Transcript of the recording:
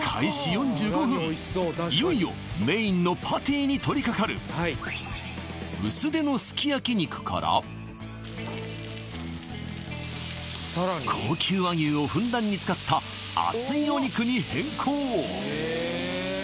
いよいよメインのパティに取りかかるから高級和牛をふんだんに使った厚いお肉に変更